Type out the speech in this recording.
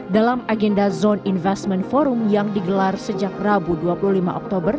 dalam agenda zone investment forum yang digelar sejak rabu dua puluh lima oktober